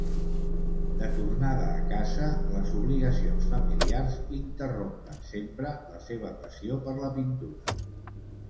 De tornada a casa, les obligacions familiars interrompen sempre la seva passió per la pintura.